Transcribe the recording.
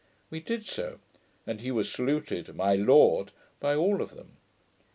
We did so; and he was saluted 'My Lord' by all of them.